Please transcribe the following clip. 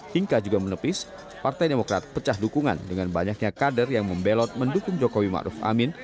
hingga juga menepis partai demokrat pecah dukungan dengan banyaknya kader yang membelot mendukung jokowi ⁇ maruf ⁇ amin